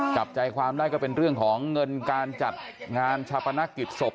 จับใจความได้ก็เป็นเรื่องของเงินการจัดงานชาปนกิจศพ